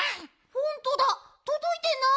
ほんとだとどいてない。